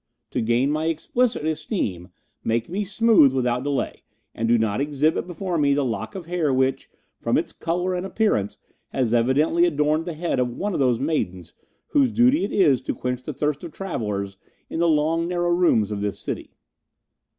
"To gain my explicit esteem, make me smooth without delay, and do not exhibit before me the lock of hair which, from its colour and appearance, has evidently adorned the head of one of those maidens whose duty it is to quench the thirst of travellers in the long narrow rooms of this city."